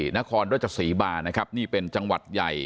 นครราชสีมานะครับนี่เป็นจังหวัดใหญ่